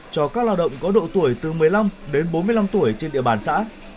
cho các lao động có độ tuổi từ một mươi năm đến bốn mươi năm tuổi trên địa bàn xã